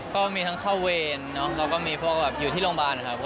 ก็มีทั้งเข้าเวรเนอะแล้วก็มีพวกแบบอยู่ที่โรงพยาบาลครับ